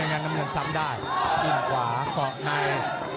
อีกหนึ่งเหมือนซ้ำได้อีกหนึ่งขวาข้อใน